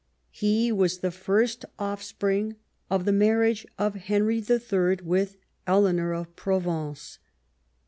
He was the first offspring of the marriage of Henry HI. with Eleanor of Provence.